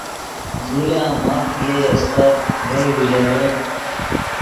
دی لا ماف پے یئے استت ڤئے اوژرے